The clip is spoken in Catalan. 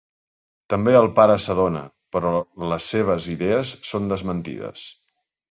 També el pare s'adona, però les seves idees són desmentides.